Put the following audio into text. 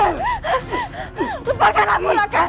lepaskan aku raka